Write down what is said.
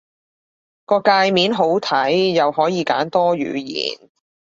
個介面好睇，又可以揀多語言